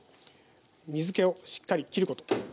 水けをしっかりきること。